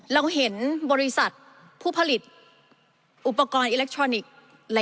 เราเห็นบริษัทผู้ผลิตอุปกรณ์อิเล็กทรอนิกส์